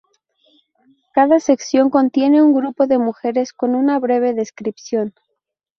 Cada sección contiene un grupo de mujeres con una breve descripción.